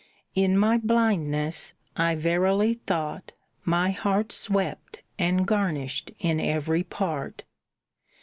In my blindness I verily thought my heart Swept and garnished in every part.